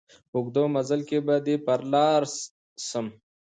په اوږد مزله کي به دي پر لار سم